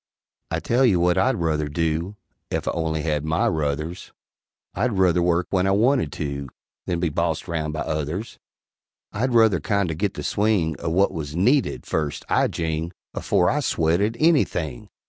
] I tell you what I'd ruther do Ef I only had my ruthers, I'd ruther work when I wanted to Than be bossed round by others; I'd ruther kindo' git the swing O' what was needed, first, I jing! Afore I swet at anything!